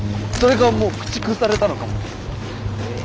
それかもう駆逐されたのかも。